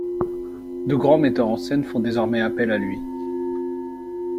De grands metteurs en scène font désormais appel à lui.